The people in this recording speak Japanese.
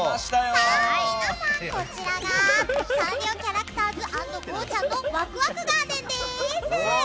さあ、皆さん、こちらがサンリオキャラクターズ＆ゴーちゃん。のワクワクガーデンです！